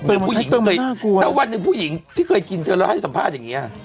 เธอมาให้เธอมาน่ากลัวแล้ววันหนึ่งผู้หญิงที่เคยกินเธอแล้วให้สัมภาษณ์อย่างเงี้ย